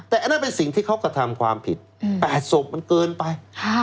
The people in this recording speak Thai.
แต่อันนั้นเป็นสิ่งที่เขากระทำความผิด๘ศพมันเกินไป